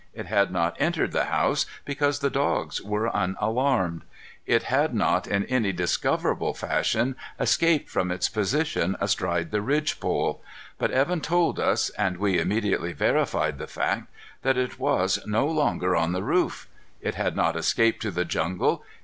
It had not entered the house, because the dogs were unalarmed. It had not in any discoverable fashion escaped from its position astride the ridge pole, but Evan told us and we immediately verified the fact that it was no longer on the roof. It had not escaped to the jungle.